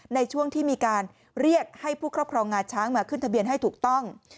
ในช่วงที่มีการเรียกให้ผู้ครอบครองงาช้างมาขึ้นทะเบียนให้ถูกต้อง